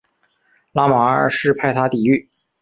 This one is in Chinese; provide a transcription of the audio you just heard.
拉玛二世派他抵御。